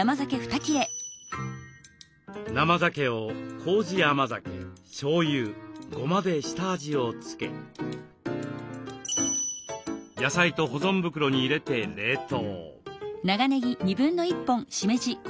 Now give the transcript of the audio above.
生ざけをこうじ甘酒しょうゆごまで下味をつけ野菜と保存袋に入れて冷凍。